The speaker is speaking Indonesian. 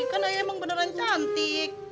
kan ayo emang beneran cantik